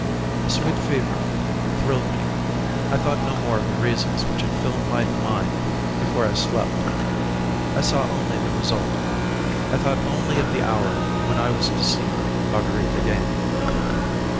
A sweet fever thrilled me. I thought no more of the reasons which had filled my mind before I slept. I saw only the result, I thought only of the hour when I was to see Marguerite again.